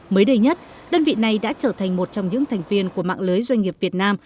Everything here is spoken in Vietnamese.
mới đây nhất đơn vị này đã trở thành một trong những thành viên của mạng lưới doanh nghiệp việt nam